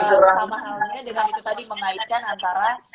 sama halnya dengan itu tadi mengaitkan antara